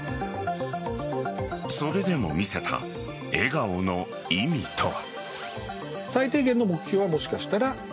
それでも見せた笑顔の意味とは。